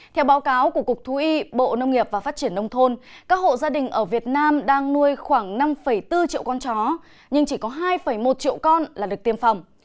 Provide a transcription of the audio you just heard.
theo báo cáo của cục thú y bộ nông nghiệp và phát triển nông thôn các hộ gia đình ở việt nam đang nuôi khoảng năm bốn triệu con chó nhưng chỉ có hai một triệu con là được tiêm phòng